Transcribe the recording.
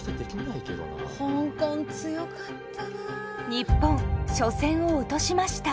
日本初戦を落としました。